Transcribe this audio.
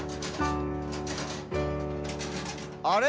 あれ？